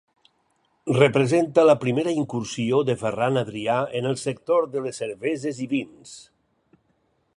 Representa la primera incursió de Ferran Adrià en el sector de les cerveses i vins.